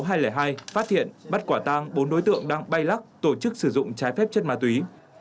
phát hiện bắt quả tang bốn đối tượng đang bay lắc tổ chức sử dụng trái phép chất ma túy